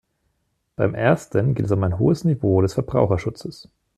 Beim Ersten geht es um ein hohes Niveau des Verbraucherschutzes.